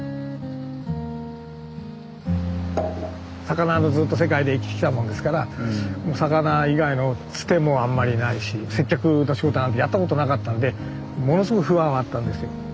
魚のずっと世界で生きてきたもんですからもう魚以外のツテもあんまりないし接客の仕事なんてやったことなかったんでものすごい不安はあったんですよ。